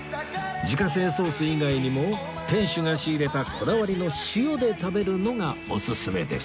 自家製ソース以外にも店主が仕入れたこだわりの塩で食べるのがオススメです